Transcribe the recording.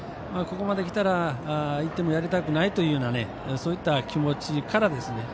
ここまで来たら１点もやりたくないというそういった気持ちから。